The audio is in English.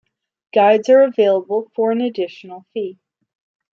Guides are available for an additional fee.